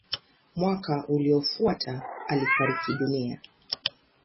Mwaka uliofuata alifariki dunia.